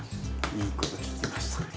いいこと聞きました。